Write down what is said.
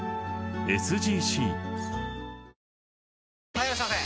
・はいいらっしゃいませ！